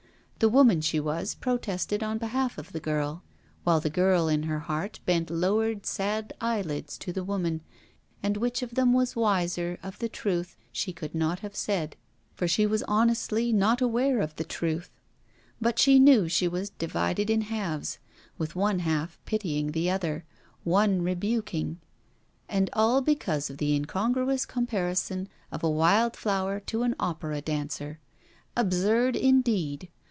The woman she was protested on behalf of the girl, while the girl in her heart bent lowered sad eyelids to the woman; and which of them was wiser of the truth she could not have said, for she was honestly not aware of the truth, but she knew she was divided in halves, with one half pitying the other, one rebuking: and all because of the incongruous comparison of a wild flower to an opera dancer! Absurd indeed.